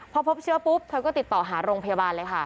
พอพบเชื้อปุ๊บเธอก็ติดต่อหาโรงพยาบาลเลยค่ะ